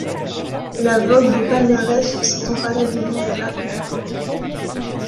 La vogue des palmarès s’est emparée du monde de l’art contemporain.